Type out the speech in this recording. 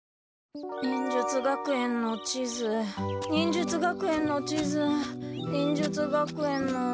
忍術学園の地図忍術学園の地図忍術学園の。